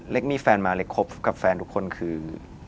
มีแฟนมาเล็กคบกับแฟนทุกคนคือ